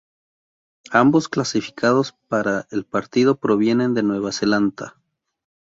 Ambos clasificados para el partido provienen de Nueva Zelanda.